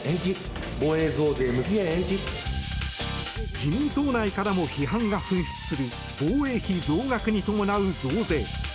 自民党内からも批判が噴出する防衛費増額に伴う増税。